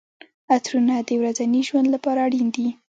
عطرونه د ورځني ژوند لپاره اړین دي.